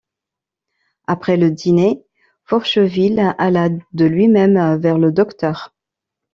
Après le dîner, Forcheville alla de lui-même vers le docteur.